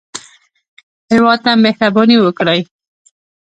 هېواد ته مهرباني وکړئ